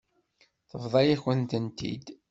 Tebḍa-yakent-tent-id.